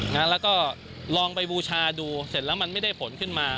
แล้วก็ลองไปบูชาดูเสร็จแล้วมันไม่ได้ผลขึ้นมา